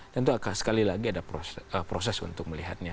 tentu sekali lagi ada proses untuk melihatnya